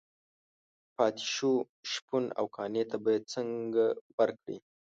پاتې شو شپون او قانع ته به یې څنګه ورکړي.